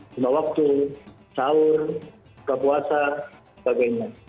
semua waktu sahur kepuasa sebagainya